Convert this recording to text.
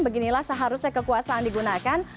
beginilah seharusnya kekuasaan digunakan